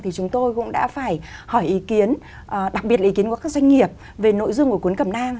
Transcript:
hỏi ý kiến đặc biệt là ý kiến của các doanh nghiệp về nội dung của cuốn cẩm nang